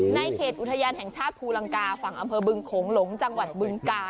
เขตอุทยานแห่งชาติภูลังกาฝั่งอำเภอบึงโขงหลงจังหวัดบึงกา